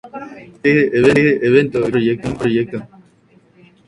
Las regiones montañosas muestran bosques de encino, pino, oyamel, fresno, y madroño.